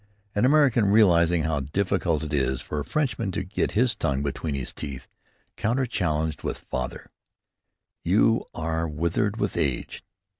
An American, realizing how difficult it is for a Frenchman to get his tongue between his teeth, counter challenged with "Father, you are withered with age."